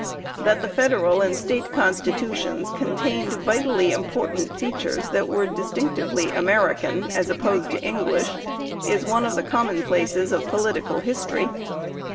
That the Federal and State Constitutions con tained vitally important features that were distinctively American, as opposed to English, is one of the common places of political history.